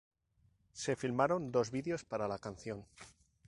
Se filmaron dos vídeos para la canción.